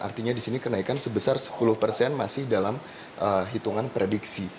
artinya di sini kenaikan sebesar sepuluh persen masih dalam hitungan prediksi